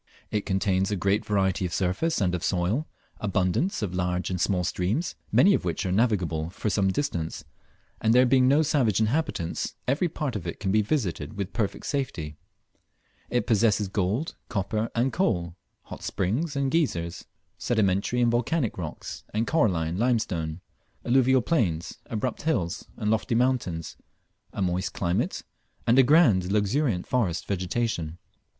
It contains a great variety of surface and of soil, abundance of large and small streams, many of which are navigable for some distance, and there being no savage inhabitants, every part of it can be visited with perfect safety. It possesses gold, copper, and coal, hot springs and geysers, sedimentary and volcanic rocks and coralline limestone, alluvial plains, abrupt hills and lofty mountains, a moist climate, and a grand and luxuriant forest vegetation.